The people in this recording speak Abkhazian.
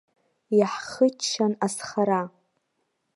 Иаҳхыччан азхара.